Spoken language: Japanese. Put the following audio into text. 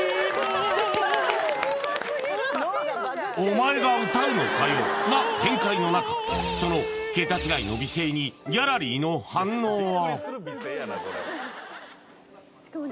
今、私のな展開の中その桁違いの美声にギャラリーの反応は？